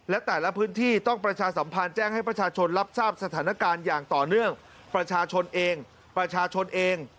และแต่ละพื้นที่ต้องประชาสัมพันธ์แจ้งให้ประชาชนรับทราบสถานการณ์อย่างต่อเนื่องประชาชนเองประชาชนเอง